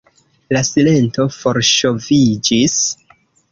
La silento forŝoviĝis.